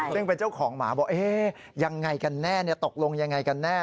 เริ่มไปเจ้าของหมาบอกเอ๊ยอย่างไรกันแน่ตกลงอย่างไรกันแน่